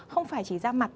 không phải chỉ da mặt